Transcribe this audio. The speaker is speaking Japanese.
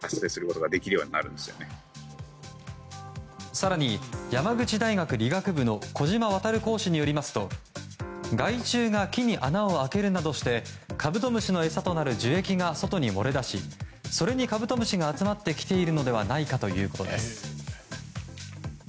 更に、山口大学理学部の小島渉講師によりますと害虫が木に穴を開けるなどしてカブトムシの餌となる樹液が外に漏れ出しそれにカブトムシが集まってきているのではないかということです。